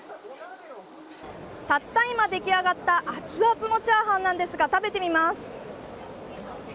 たった今出来上がった熱々のチャーハンなんですが食べてみます。